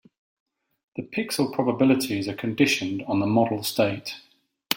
The pixel probabilities are conditioned on the model state.